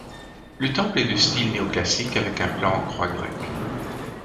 Le temple est de style néo-classique, avec un plan en croix grecque.